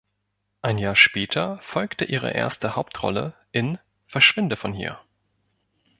Ein Jahr später folgte ihre erste Hauptrolle in "Verschwinde von hier".